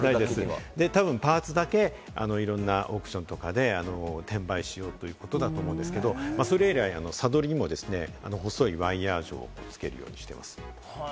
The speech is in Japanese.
たぶんパーツだけ、いろんなオークションとかで転売しようということだと思うんですけれども、それ以来、サドルにも細いワイヤー錠をつけるようにしています。